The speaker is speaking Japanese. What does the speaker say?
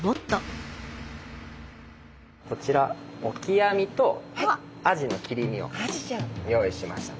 こちらオキアミとアジの切り身を用意しました。